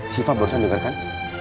sifah baru saja dengarkan